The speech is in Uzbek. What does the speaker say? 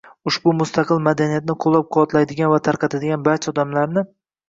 ushbu mustaqil madaniyatni qo‘llabquvvatlaydigan va tarqatadigan barcha odamlarni;